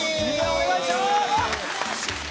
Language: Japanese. お願いします！